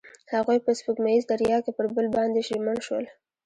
هغوی په سپوږمیز دریا کې پر بل باندې ژمن شول.